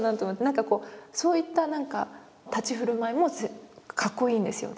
何かこうそういった何か立ち居振る舞いもかっこいいんですよ。